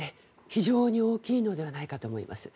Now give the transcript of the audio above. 非常に大きいのではないかと思います。